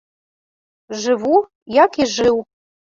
Жыву, як і жыў.